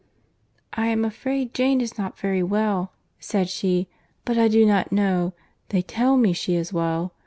"I am afraid Jane is not very well," said she, "but I do not know; they tell me she is well.